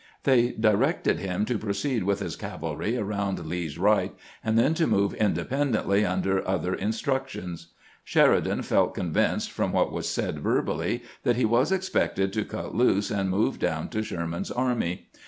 They directed him to proceed with his cavalry around Lee's right, and then to move independently under other instructions. Sheri dan felt convinced, from what was said verbally, that he was expected to cut loose and move down to Sher man's army.